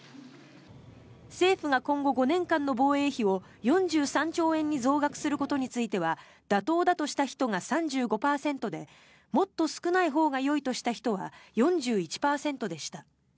政府が今後５年間の防衛費を４３兆円に増額することについては妥当だとした人が３５％でもっと少ないほうがよいとした人は４１％でした。